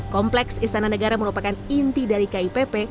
kompleks istana negara merupakan inti dari kipp